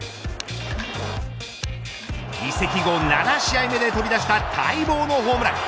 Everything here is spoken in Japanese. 移籍後７試合目で飛び出した待望のホームラン。